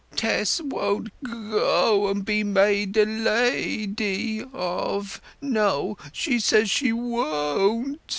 "Tess won't go o o and be made a la a dy of!—no, she says she wo o on't!"